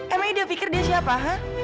emang dia pikir dia siapa hah